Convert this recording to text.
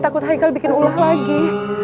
takut hikal bikin ulah lagi